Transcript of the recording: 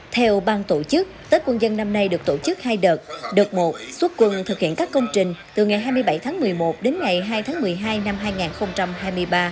theo bang tổ chức tết quân dân năm nay được tổ chức hai đợt đợt một xuất quân thực hiện các công trình từ ngày hai mươi bảy tháng một mươi một đến ngày hai tháng một mươi hai năm hai nghìn hai mươi ba